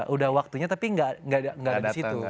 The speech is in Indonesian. udah waktunya tapi nggak ada di situ